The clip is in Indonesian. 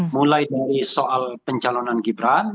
mulai dari soal pencalonan gibran